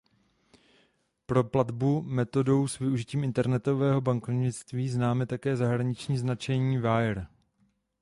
Pro platbu metodu s využitím internetového bankovnictví známe také zahraniční označení „wire“.